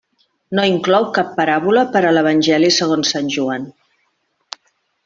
No inclou cap paràbola per a l'Evangeli segons Joan.